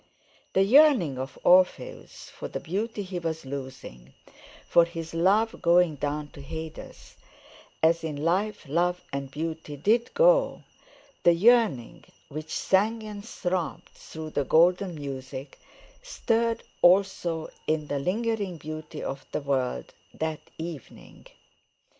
The yearning of Orpheus for the beauty he was losing, for his love going down to Hades, as in life love and beauty did go—the yearning which sang and throbbed through the golden music, stirred also in the lingering beauty of the world that evening.